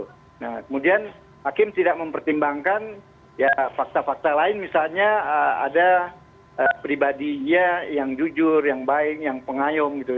nah kemudian hakim tidak mempertimbangkan ya fakta fakta lain misalnya ada pribadinya yang jujur yang baik yang pengayum gitu